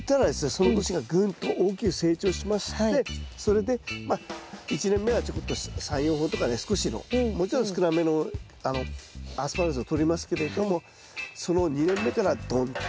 その年がぐんと大きく成長しましてそれでまあ１年目はちょこっと３４本とかね少しのもちろん少なめのアスパラガスがとれますけれどもその後２年目からドンと！